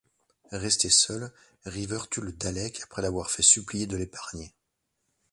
Restée seule, River tue le Dalek après l'avoir fait supplier de l'épargner.